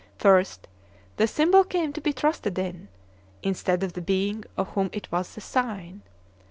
First, the symbol came to be trusted in, instead of the being of whom it was the sign.